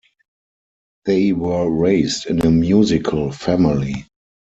They were raised in a musical family.